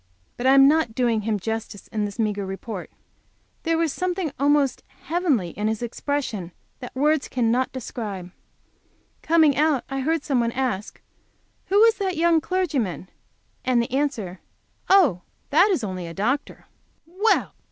But I am not doing him justice in this meagre report; there was something almost heavenly in his expression which words cannot describe. Coming out I heard some one ask, "Who was that young clergyman?" and the answer, "Oh, that is only a doctor!" Well!